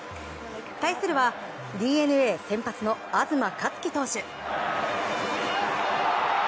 対するはＤｅＮＡ先発の東克樹投手。